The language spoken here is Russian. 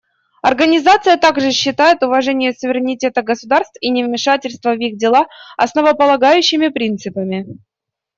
Организация также считает уважение суверенитета государств и невмешательство в их дела основополагающими принципами.